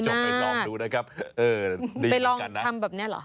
นี่มากไปลองทำแบบนี้หรอ